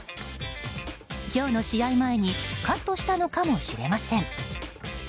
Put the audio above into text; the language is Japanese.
今日の試合前にカットしたのかもしれません。